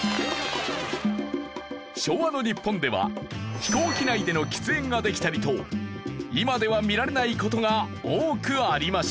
飛行機内での喫煙ができたりと今では見られない事が多くありました。